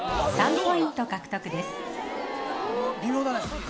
２ポイント獲得です。